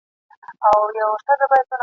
زما یاغي وزري ستا زندان کله منلای سي ..